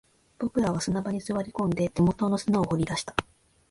僕らは砂場に座り込んで、手元の砂を掘り出した